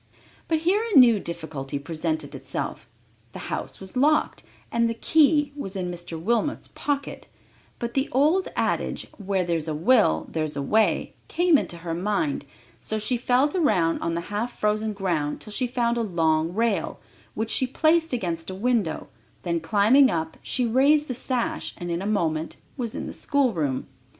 But here a new difficulty presented itself. The house was locked and the key was in Mr. Wilmot's pocket; but the old adage, "where there's a will, there's a way," came into her mind, so she felt around on the half frozen ground till she found a long rail, which she placed against a window; then climbing up, she raised the sash, and in a moment was in the schoolroom.